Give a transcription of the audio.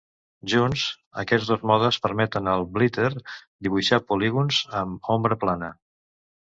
Junts, aquests dos modes permeten al blitter dibuixar polígons amb ombra plana.